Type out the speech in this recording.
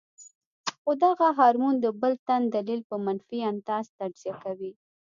خو دغه هارمون د بل تن دليل پۀ منفي انداز تجزيه کوي -